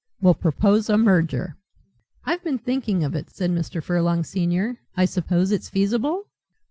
We'll propose a merger." "I've been thinking of it," said Mr. Furlong senior, "I suppose it's feasible?"